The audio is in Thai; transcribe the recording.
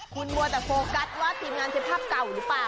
คุณมัวแต่โฟกัสว่าทีมงานเก็บภาพเก่าหรือเปล่า